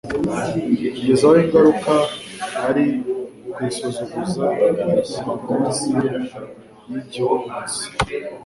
kugeza aho ingamruka ari ukuyisuzuguza bayishyira munsi y'igihubutsi.